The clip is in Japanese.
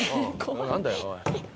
何だよおい。